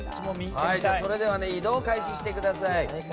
それでは移動を開始してください。